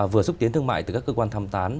vừa xúc tiến thương mại từ các cơ quan thăm tán